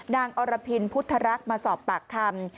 อรพินพุทธรักษ์มาสอบปากคำ